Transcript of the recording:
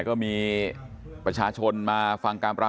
คุณวราวุฒิศิลปะอาชาหัวหน้าภักดิ์ชาติไทยพัฒนา